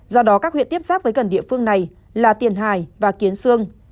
do đó các huyện tiếp xác với gần địa phương này là tiền hải và kiến sương